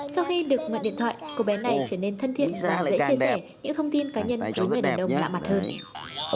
sau khi được mượn điện thoại cô bé này trở nên thân thiện và dễ chia sẻ những thông tin cá nhân khiến người đàn ông lạ mặt hơn